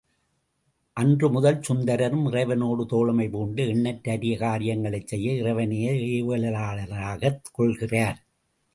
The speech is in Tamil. அன்று முதல் சுந்தரரும் இறைவனோடு தோழமை பூண்டு, எண்ணற்ற அரிய காரியங்களைச் செய்ய இறைவனையே ஏவலாளனாகக் கொள்கிறார்.